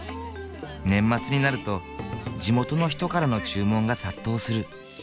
年末になると地元の人からの注文が殺到する。